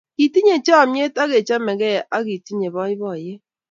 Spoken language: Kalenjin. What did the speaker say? kitinye chamiet ak kechamegei ake tinye baibaiet